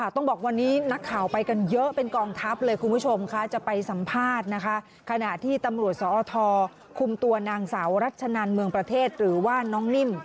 ต้องบอกวันนี้นักข่าวไปกันเยอะเป็นกองทัพเลยคุณผู้ชมค่ะจะไปสัมภาษณ์นะคะขณะที่ตำรวจสอทคุมตัวนางสาวรัชนันเมืองประเทศหรือว่าน้องนิ่ม